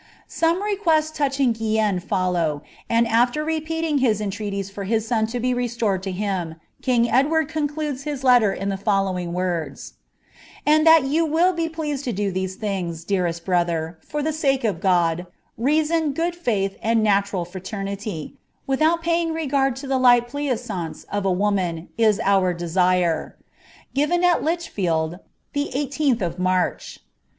le requests touching Guienne follow, and after repeating his en I for his son to be restored to him, king Ekiward concludes his B the following words : 1 that jrou will be pleased to do these things, dearest brother, for the ' God, reason, good feith, and namral (hitemity, without paying regard to It pleasaunce of a woman, is our desire : "Given at Lichfield, the 18th of March."